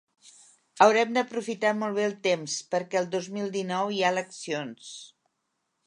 Haurem d’aprofitar molt bé el temps perquè el dos mil dinou hi ha eleccions.